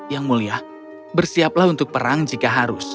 yang mulia bersiaplah untuk perang jika harus